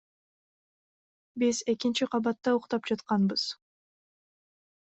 Биз экинчи кабатта уктап жатканбыз.